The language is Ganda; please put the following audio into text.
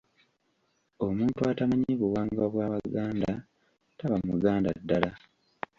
Omuntu atamanyi buwangwa bwa Baganda taba Muganda ddala.